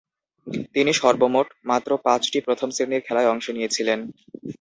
তিনি সর্বমোট মাত্র পাঁচটি প্রথম-শ্রেণীর খেলায় অংশ নিয়েছিলেন।